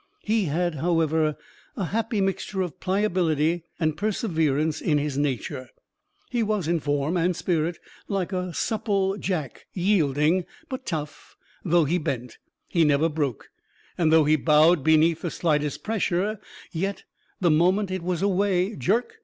He had, however, a happy mixture of pliability and perseverance in his nature; he was in form and spirit like a supple jack yielding, but tough; though he bent, he never broke; and though he bowed beneath the slightest pressure, yet, the moment it was away jerk!